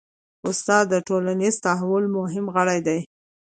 استاد د ټولنیز تحول مهم غړی دی.